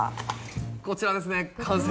こちらですね完成。